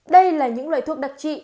đây là những loại thuốc đặc trị